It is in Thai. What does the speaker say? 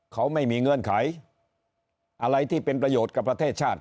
เขาไม่มีเงื่อนไขอะไรที่เป็นประโยชน์กับประเทศชาติ